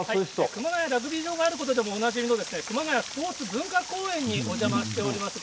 熊谷ではラグビー場があることでもおなじみの熊谷スポーツ文化公園にお邪魔しております。